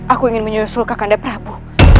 aku ingin menyusul ke kandap prabu